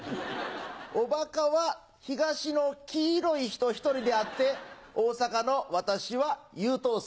おバカは東の黄色い人１人であって大阪の私は優等生。